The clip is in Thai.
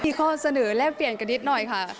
มีข้อเสนอแลกเปลี่ยนกันนิดหน่อยค่ะ